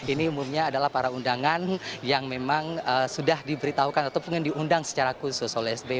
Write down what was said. ini umumnya adalah para undangan yang memang sudah diberitahukan ataupun yang diundang secara khusus oleh sby